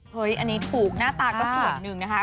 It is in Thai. อันนี้ถูกหน้าตาก็ส่วนหนึ่งนะคะ